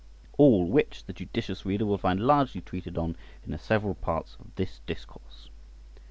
All which the judicious reader will find largely treated on in the several parts of this discourse.